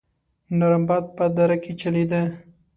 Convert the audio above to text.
نرم باد په دره کې چلېده.